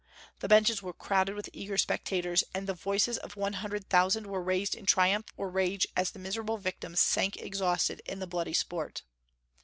The benches were crowded with eager spectators, and the voices of one hundred thousand were raised in triumph or rage as the miserable victims sank exhausted in the bloody sport.